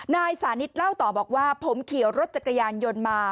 นายสานิทเล่าต่อบอกว่าผมขี่รถจักรยานยนต์มา